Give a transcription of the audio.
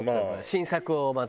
新作をまた。